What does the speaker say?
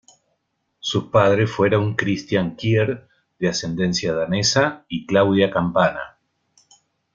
Sus padres fueron Cristian Kier, de ascendencia danesa, y Claudia Campana.